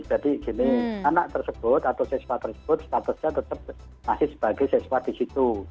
jadi anak tersebut atau siswa tersebut statusnya tetap masih sebagai siswa di situ